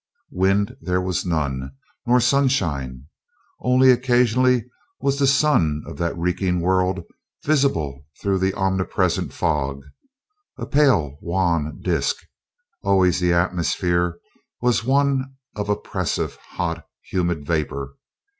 Wind there was none, nor sunshine. Only occasionally was the sun of that reeking world visible through the omnipresent fog, a pale, wan disk; always the atmosphere was one of oppressive, hot, humid vapor.